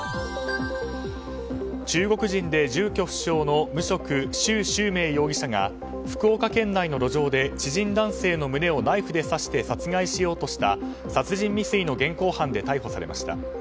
中国人で住居不詳のシュウ・シュウメイ容疑者が福岡県内の路上で知人男性の胸をナイフで刺して殺害しようとした殺人未遂の現行犯で逮捕されました。